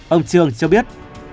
ông trương cho biết